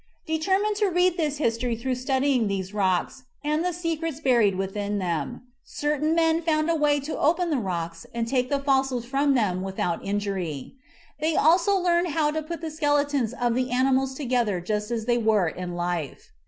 Determined to read this history through studying these rocks and the secrets buried within them, certain men found a way to open the rocks and take the fossils from them without injury. They also learned how to put the skeletons of the animals together just as they were in life.